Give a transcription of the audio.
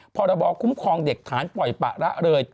พรบคุ้มครองเด็กฐานปล่อยปะละเลย